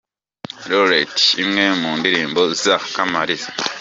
Laurette, imwe mu ndirimbo za Kamaliza.